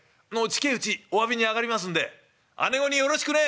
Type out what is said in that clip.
近えうちおわびに上がりますんで姉御によろしくね」。